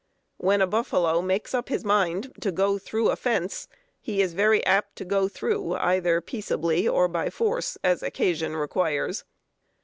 When a buffalo makes up his mind to go through a fence, he is very apt to go through, either peaceably or by force, as occasion requires.